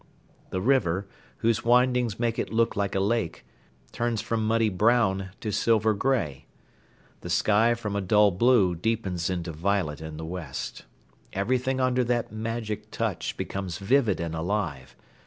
The river, whose windings make it look like a lake, turns from muddy brown to silver grey. The sky from a dull blue deepens into violet in the west. Everything under that magic touch becomes vivid and alive.